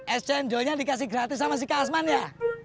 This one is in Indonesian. es cendolnya dikasih gratis sama si kasman ya